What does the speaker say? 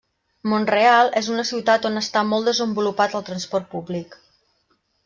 Mont-real és una ciutat on està molt desenvolupat el transport públic.